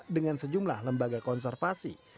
dengan sejumlah lembaga konservasi